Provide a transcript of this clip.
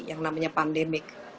yang namanya pandemik